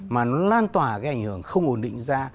mà nó lan tỏa cái ảnh hưởng không ổn định ra